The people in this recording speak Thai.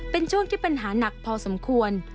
เป็นช่วงที่ปัญหาหนักพอสมควร